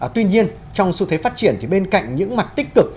tuy nhiên trong xu thế phát triển thì bên cạnh những mặt tích cực